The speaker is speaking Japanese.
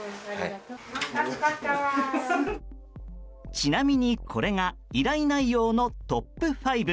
ちなみにこれが依頼内容のトップ５。